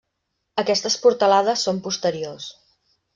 Aquestes portalades són posteriors.